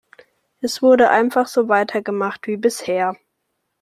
Es wurde einfach so weiter gemacht wie bisher.